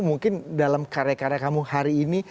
mungkin dalam karya karya kamu hari ini